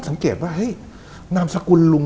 บางคนก็สันนิฐฐานว่าแกโดนคนติดยาน่ะ